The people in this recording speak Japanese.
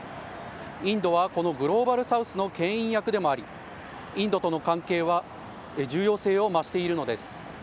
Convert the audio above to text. インドはこのグローバルサウスのけん引役でもあり、インドとの関係は重要性を増しているのです。